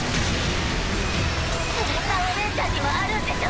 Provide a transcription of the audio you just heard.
スレッタお姉ちゃんにもあるんでしょ？